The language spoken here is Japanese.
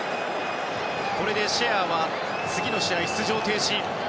これでシェアは次の試合、出場停止。